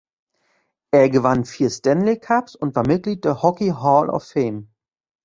Er gewann vier Stanley Cups und war Mitglied der Hockey Hall of Fame.